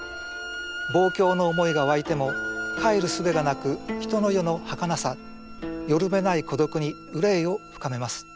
望郷の思いが湧いても帰るすべがなく人の世のはかなさ寄る辺ない孤独に憂いを深めます。